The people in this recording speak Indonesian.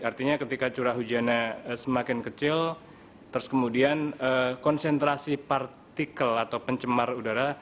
artinya ketika curah hujannya semakin kecil terus kemudian konsentrasi partikel atau pencemar udara